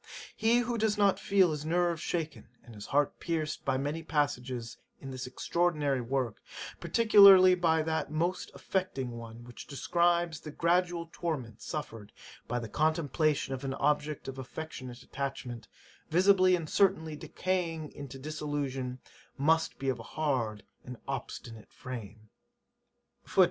He who does not feel his nerves shaken, and his heart pierced by many passages in this extraordinary work, particularly by that most affecting one, which describes the gradual torment suffered by the contemplation of an object of affectionate attachment, visibly and certainly decaying into dissolution, must be of a hard and obstinate frame.